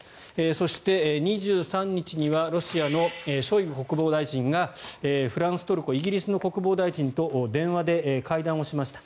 そして、２３日にはロシアのショイグ国防大臣がフランス、トルコ、イギリスの国防大臣と電話で会談をしました。